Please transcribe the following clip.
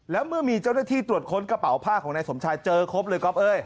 แล้วเมื่อมีเจ้าหน้าที่ตรวจค้นกระเป๋าผ้าของนายสมชายเจอครบเลยก๊อฟเอ้ย